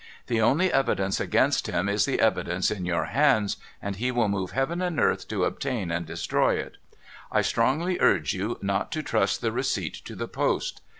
The only evidence against him is the evidence in j'our hands, and he will move heaven and earth to obtain and destroy it. I strongly urge you not to trust the receipt to the post.